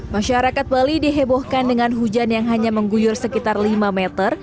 masyarakat bali dihebohkan dengan hujan yang hanya mengguyur sekitar lima meter